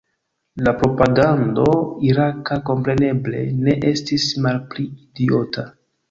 La propagando iraka, kompreneble, ne estis malpli idiota.